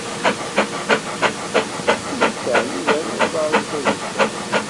Ur ittɛemmid ara i uḍar-ik ad icceḍ.